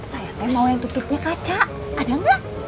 saya teh mau yang tutupnya kaca ada nggak